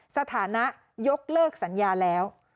สถานะยกเลิกสัญญาแล้ว